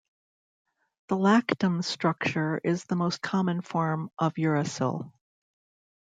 The lactam structure is the most common form of uracil.